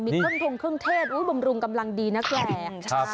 มีเครื่องทิ่มบำรุงกำลังดีนะแก